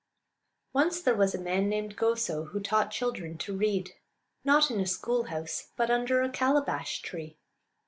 Once there was a man named Go'so, who taught children to read, not in a schoolhouse, but under a calabash tree.